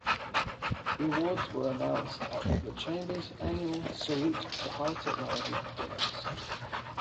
The awards were announced at the Chamber's annual "Salute to High Technology" dinners.